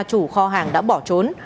chủ kho hàng đã bỏ trốn